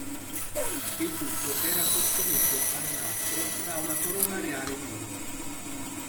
Il tutto era sostenuto al nastro da una corona reale in oro.